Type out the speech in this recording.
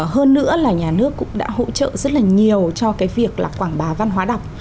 hơn nữa là nhà nước cũng đã hỗ trợ rất là nhiều cho cái việc là quảng bá văn hóa đọc